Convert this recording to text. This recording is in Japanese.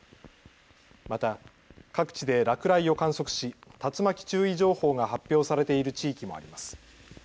また各地で落雷を観測し竜巻注意情報が発表されている地域もあります。